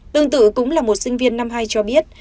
tương tự cũng là một sinh viên năm hai cho biết